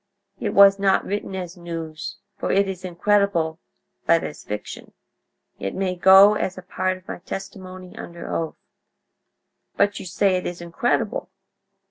It was not written as news, for it is incredible, but as fiction. It may go as a part of my testimony under oath." "But you say it is incredible."